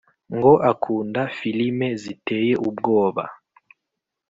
ngo akunda filime ziteye ubwoba